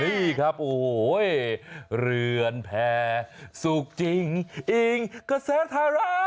นี่ครับโอ้โหเรือนแพรสุขจริงอิงกระแสไทรา